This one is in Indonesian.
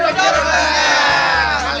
saya apresiasi sekali